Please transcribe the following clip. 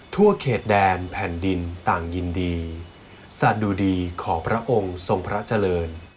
ทั่วเขตแดนแผ่นดินต่างยินดีสัตว์ดูดีของพระองค์ทรงพระเจริญ